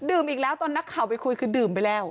อีกแล้วตอนนักข่าวไปคุยคือดื่มไปแล้ว